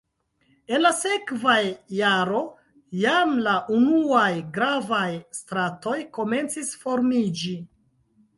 En la sekva jaro jam la unuaj gravaj stratoj komencis formiĝi.